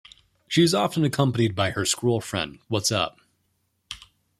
She is often accompanied by her squirrel friend, Whatzup.